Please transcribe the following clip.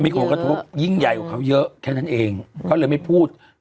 มีผลกระทบยิ่งใหญ่กว่าเขาเยอะแค่นั้นเองก็เลยไม่พูด